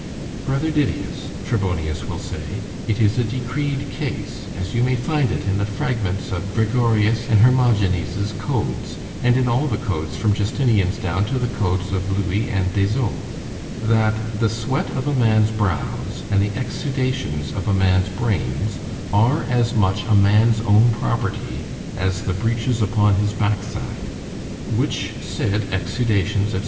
—Brother Didius, Tribonius will say, it is a decreed case, as you may find it in the fragments of Gregorius and Hermogines's codes, and in all the codes from Justinian's down to the codes of Louis and Des Eaux—That the sweat of a man's brows, and the exsudations of a man's brains, are as much a man's own property as the breeches upon his backside;—which said exsudations, &c.